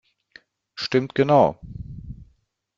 Stimmt genau!